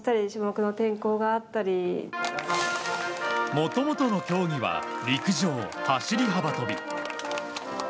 もともとの競技は陸上走り幅跳び。